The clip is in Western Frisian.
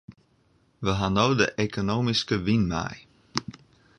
Wy hawwe no de ekonomyske wyn mei.